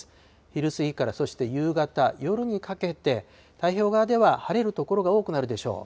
昼過ぎからそして夕方、夜にかけて、太平洋側では晴れる所が多くなるでしょう。